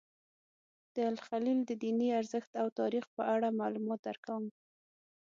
د الخلیل د دیني ارزښت او تاریخ په اړه معلومات درکوم.